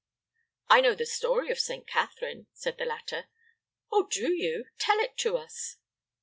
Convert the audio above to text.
"I know the story of St. Catherine," said the latter. "Oh, do you? Tell it to us."